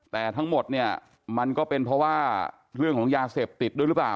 แต่ทั้งหมดเนี่ยมันก็เป็นเพราะว่าเรื่องของยาเสพติดด้วยหรือเปล่า